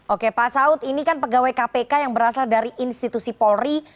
oke pak saud ini kan pegawai kpk yang berasal dari institusi polri